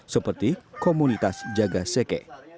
seperti komunitas jaga seke